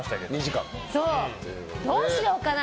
どうしようかな。